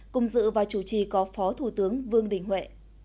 cùng dự và chủ trì có phó thủ tướng vương đình huệ